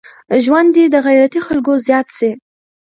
ژوند دي د غيرتي خلکو زيات سي.